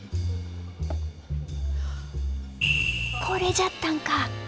これじゃったんか！